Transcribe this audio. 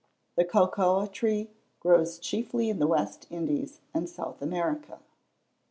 The cocoa tree grows chiefly in the West Indies and South America.